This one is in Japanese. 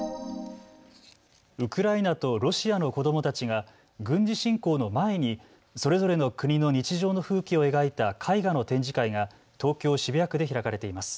ウクライナとロシアの子どもたちが軍事侵攻の前にそれぞれの国の日常の風景を描いた絵画の展示会が東京渋谷区で開かれています。